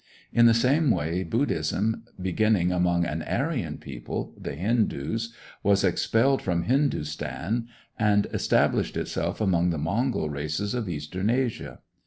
In the same way Buddhism, beginning among an Aryan people the Hindoos was expelled from Hindostan, and established itself among the Mongol races of Eastern Asia.